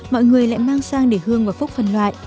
mọi người lại mang sang để hương và phúc phân loại